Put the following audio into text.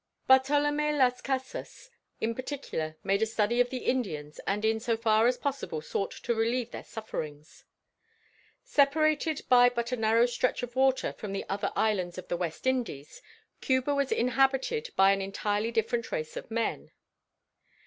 Bartolomé Las Casas in particular made a study of the Indians and in so far as possible sought to relieve their sufferings. Separated by but a narrow stretch of water from the other islands of the West Indies, Cuba was inhabited by an entirely different race of men.